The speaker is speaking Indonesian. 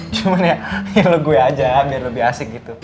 cuman ya ya lo gue aja ya biar lebih asik gitu